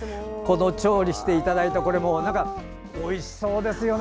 調理していただいた、これもおいしそうですよね。